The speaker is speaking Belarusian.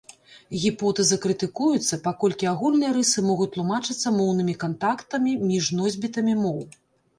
Гіпотэза крытыкуецца, паколькі агульныя рысы могуць тлумачыцца моўнымі кантактамі між носьбітамі моў.